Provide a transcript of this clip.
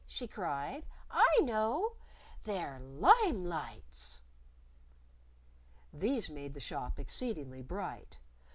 she cried. "I know! They're lime lights." These made the shop exceedingly bright.